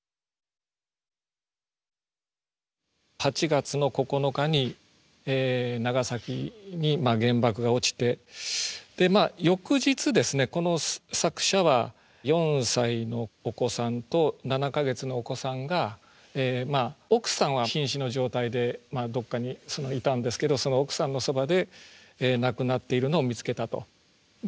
８月の９日に長崎に原爆が落ちて翌日この作者は４歳のお子さんと７か月のお子さんが奥さんはひん死の状態でどっかにいたんですけどその奥さんのそばで亡くなっているのを見つけたと。